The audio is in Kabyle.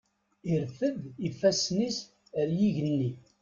Irfed ifassen-is ar yigenni.